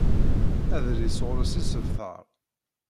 Adlis ɣur-s isebtar.